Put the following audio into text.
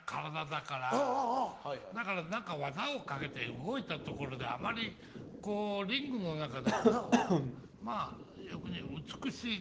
だから何か技をかけて動いたところであまりこうリングの中でこうまぁ美しい。